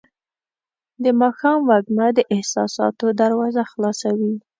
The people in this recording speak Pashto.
د ماښام وږمه د احساساتو دروازه خلاصوي.